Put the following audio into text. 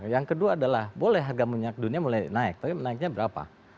yang kedua adalah boleh harga minyak dunia mulai naik tapi naiknya berapa